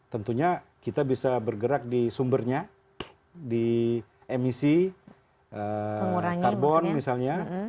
tentunya kita bisa bergerak di sumbernya di emisi karbon misalnya